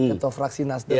atau fraksi nasdaq